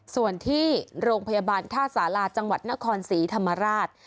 ส่วนที่โรงพยาบาลท่าสาราจังหวัดนครศรีธรรมราช